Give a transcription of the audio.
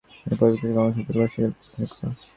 পৃথিবীতে যে-সকল কাম্যবস্তু দুর্লভ, সেগুলি প্রার্থনা কর।